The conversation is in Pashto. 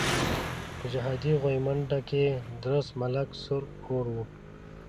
په جهادي غويمنډه کې درست ملک سور اور وو.